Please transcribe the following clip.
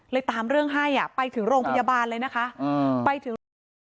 เลยตามเรื่องให้อ่ะไปถึงโรงพยาบาลเลยนะคะไปถึง